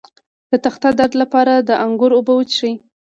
د تخه د درد لپاره د انګور اوبه وڅښئ